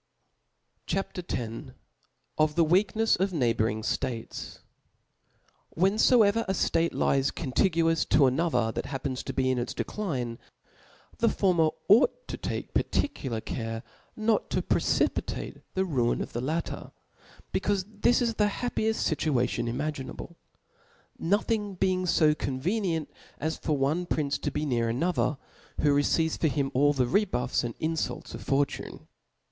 C H A P. X. Of the Wedknefs of neighhourhg Sfafef. ^IXTHENSOEVER a ftatc lies contiguous ta ^^ another that happens to be in its decline^ the former ought to take particular care not to pre * cipitate the ruin of the latter, becaufe this is the h^pi^eft (ituation imaginable; nothing being fo convenient as for one prince to be near another, who receivta for him sll the rebufS and infolts <^ fortufie.